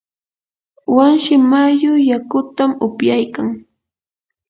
wanshi mayu yakutam upyaykan.